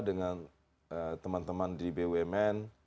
dengan teman teman di bumn